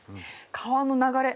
川の流れ